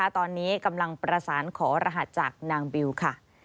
ตอนนี้กำลังประสานขอรหัสจากนางบิวค่ะ